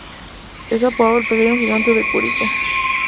Es apodado "El pequeño gigante de Curicó".